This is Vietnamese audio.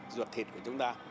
ruột thịt của chúng ta